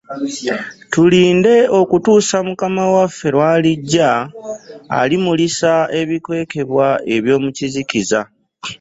Tulinde okutuusa Mukama waffe lw'alijja, alimulisa ebikwekebwa eby'omu kizikiza.